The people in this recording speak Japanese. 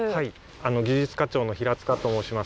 技術課長の平と申します。